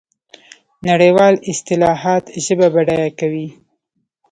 نړیوالې اصطلاحات ژبه بډایه کوي.